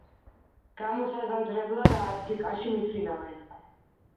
გამოსაზამთრებლად აფრიკაში მიფრინავენ.